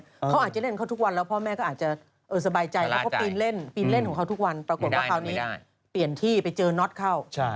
เขาอาจจะเล่นเขาทุกวันแล้วพ่อแม่ก็อาจจะสบายใจเขาก็ปีนเล่นปีนเล่นของเขาทุกวันปรากฏว่าคราวนี้เปลี่ยนที่ไปเจอน็อตเข้า